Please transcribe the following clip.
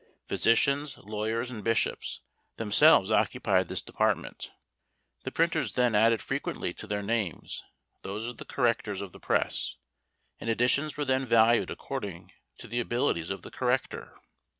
Physicians, lawyers, and bishops themselves occupied this department. The printers then added frequently to their names those of the correctors of the press; and editions were then valued according to the abilities of the corrector.